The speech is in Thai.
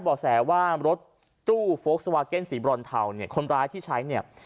บอกแสว่ารถตู้โฟลกสวาเก็นสีบรอนเทาเนี่ยคนร้ายที่ใช้เนี่ย